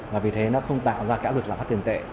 và vì thế nó không tạo ra cả lực là phát tiền tệ